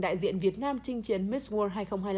đại diện việt nam trình chiến miss world hai nghìn hai mươi năm